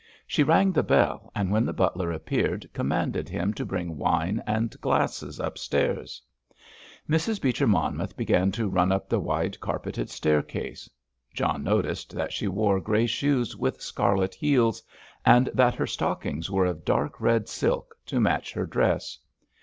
She rang the bell, and when the butler appeared, commanded him to bring wine and glasses upstairs. Mrs. Beecher Monmouth began to run up the wide carpeted staircase. John noticed that she wore grey shoes with scarlet heels, and that her stockings were of dark red silk to match her dress.